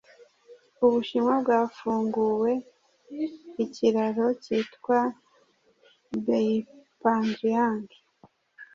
uBushinwa bwafunguwe ikiraro cyitwa ’Beipanjiang’